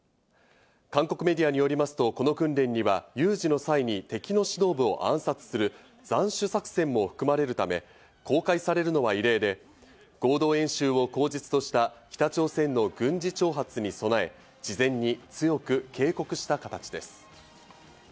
韓国メディアによりますと、この訓練には有事の際に敵の指導部を暗殺する斬首作戦も含まれるため、公開されるのは異例で、合同演習を口実とした北朝鮮の軍事挑発に備え、事前に強く警告した形です。